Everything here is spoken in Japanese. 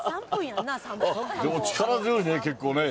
でも、力強いね、結構ね。